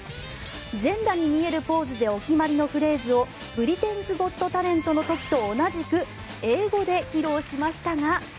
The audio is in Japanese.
全裸に見えるポーズでお決まりのフレーズを「ブリテンズ・ゴット・タレント」の時と同じく英語で披露しましたが。